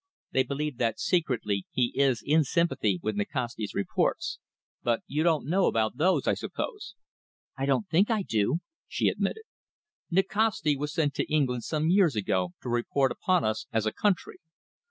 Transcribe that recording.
They believe that secretly he is in sympathy with Nikasti's reports but you don't know about those, I suppose?" "I don't think I do," she admitted. "Nikasti was sent to England some years ago to report upon us as a country.